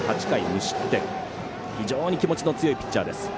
無失点非常に気持ちの強いピッチャー。